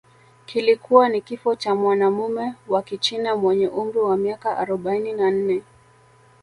kilikuwa ni kifo cha mwanamume wa Kichina mwenye umri wa miaka arobaini na nne